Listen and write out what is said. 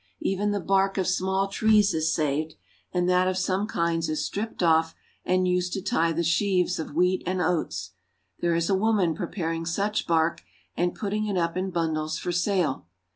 Even the bark of small trees is saved, and that of some kinds is stripped off and used to tie the sheaves of wheat and oats. There is a woman preparing such bark and putting it up in bundles for sale.